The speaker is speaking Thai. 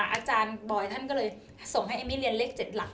อาจารย์บอยท่านก็เลยส่งให้เอมมี่เรียนเลข๗หลัก